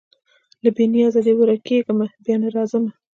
له بې نیازیه دي ورکېږمه بیا نه راځمه